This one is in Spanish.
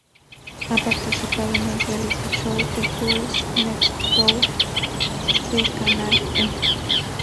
Ha participado en el reality show "The Girls Next Door" de canal E!.